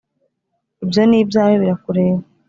ibyo ni ibyawe birakureba